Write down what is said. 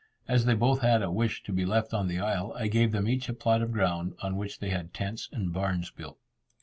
As they both had a wish to be left on the isle, I gave them each a plot of ground, on which they had tents and barns built.